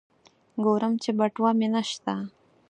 ګورم چې بټوه مې نشته.